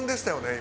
今。